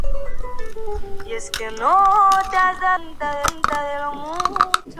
Entre los galardonados figuran Álvaro de Diego González y Julia Sevilla Merino.